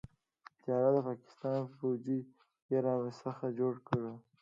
تيار د پاکستان فوجي يې را څخه جوړ کړ.